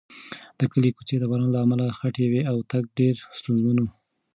د کلي کوڅې د باران له امله خټینې وې او تګ ډېر ستونزمن و.